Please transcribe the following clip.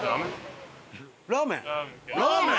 ラーメン！？